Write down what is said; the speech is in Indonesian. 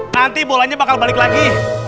nanti bolanya bakal balik lagi